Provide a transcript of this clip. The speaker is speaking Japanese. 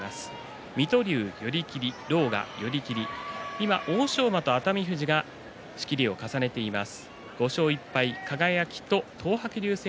今、欧勝馬と熱海富士が仕切りを重ねています。